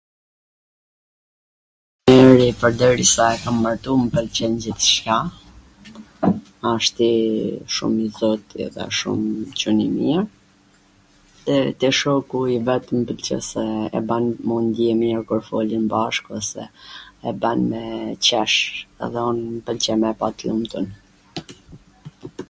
Partneri si e kam martu mw pwlqen gjithCka, asht i ... shum i qet edhe shum Cun i mir, e te shoku i vet m pwlqen se e ba m u ndi mir kur folin bashk ose e ban me qesh, domethwn me e pa t lumtun.